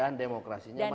dan demokrasinya matang